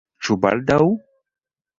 Ĉu baldaŭ?